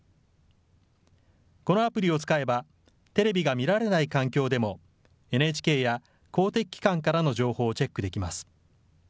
このアプリを使えばテレビが見られない環境でも、ＮＨＫや公的機関からの情報をチェックできます。